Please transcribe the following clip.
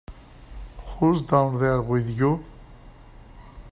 Who's down there with you?